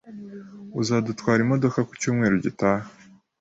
Uzadutwara imodoka ku cyumweru gitaha?